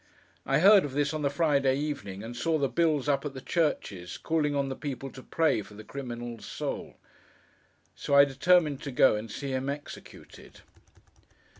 I heard of this on the Friday evening, and saw the bills up at the churches, calling on the people to pray for the criminal's soul. So, I determined to go, and see him executed.